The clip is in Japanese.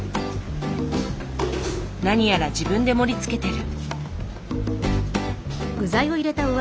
何やら自分で盛りつけてる。